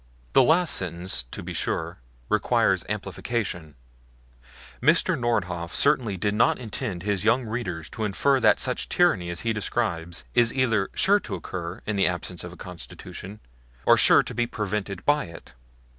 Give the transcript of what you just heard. The last sentence, to be sure, requires amplification; Mr. Nordhoff certainly did not intend his young readers to infer that such tyranny as he describes is either sure to occur in the absence of a Constitution or sure to be prevented by it.